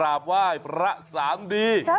สามวิติเหรอสามวิติเหรอ